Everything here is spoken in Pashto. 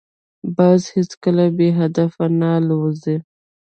باز هیڅکله بې هدفه نه الوزي